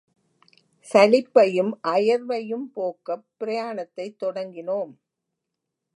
சலிப்பையும் அயர்வையும் போக்கப் பிரயாணத்தைத் தொடங்கினோம்.